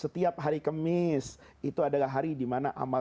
setiap hari kemis itu adalah hari di mana amal amal